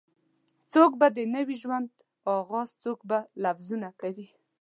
څوک به د نوې ژوند آغاز څوک به لوظونه کوي